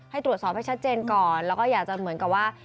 ให้ตรวจสอบให้ชัดเจนก่อนแล้วก็อยากจะเหมือนกับว่า